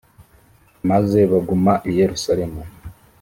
maze baguma i yerusalemu